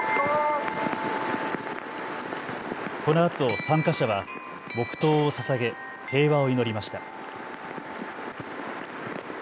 このあと参加者は黙とうをささげ平和を祈りました。